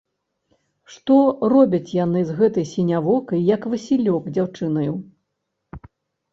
Што робяць яны з гэтай сінявокай, як васілёк, дзяўчынаю?